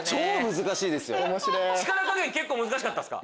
力加減結構難しかったですか？